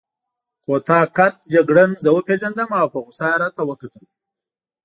کوتاه قد جګړن زه وپېژندم او په غوسه يې راته وکتل.